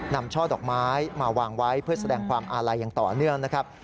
ช่อดอกไม้มาวางไว้เพื่อแสดงความอาลัยอย่างต่อเนื่องนะครับ